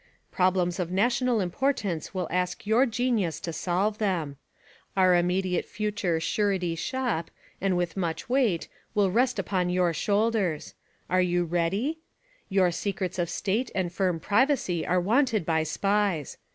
Problems of national importance will ask your genius to solve them. Our imm.ediate future surety shop, and with much weight, will rest upon your shoulders. Are you ready? Your secrets of state and firm privacy are wanted by SPIES.